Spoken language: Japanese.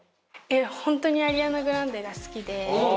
本当にアリアナ・グランデが好きで。